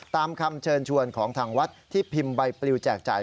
ตามคำเชิญชวนของทางวัดที่พิมพ์ใบปลิวแจกจ่าย